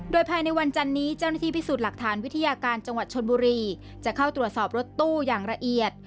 โดยภายในวันจันนี้เจ้าหน้าที่พิสูจน์หลักฐานวิทยาการจังหวัดชนบุรีจะเข้าตรวจสอบรถตู้อย่างละเอียด